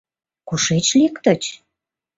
Кушеч лектыч?